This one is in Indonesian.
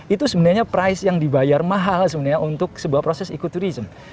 itu sebenarnya price yang dibayar mahal sebenarnya untuk sebuah proses ekoturism